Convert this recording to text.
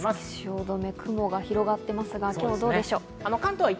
汐留、雲が広がってますが、今日どうでしょう。